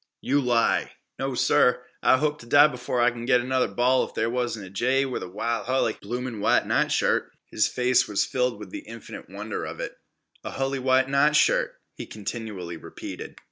"You lie!" "No, sir! I hope ter die b'fore I kin git anudder ball if there wasn't a jay wid a hully, bloomin' white nightshirt!" His face was filled with the infinite wonder of it. "A hully white nightshirt," he continually repeated.